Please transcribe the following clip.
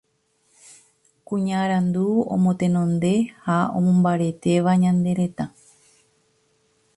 kuña arandu omotenonde ha omomombaretéva ñane retã